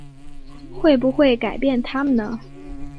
会不会改变他们呢？